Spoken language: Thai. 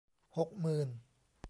หกหมื่น